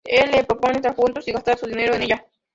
Él le propone estar juntos y gastar su dinero en ella.